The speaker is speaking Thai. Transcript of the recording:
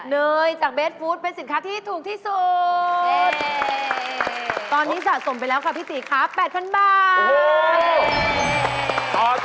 เนยจากเบสฟู้ดเป็นสินค้าที่ถูกที่สุดตอนนี้สะสมไปแล้วค่ะพี่ตีค่ะ๘๐๐๐บาท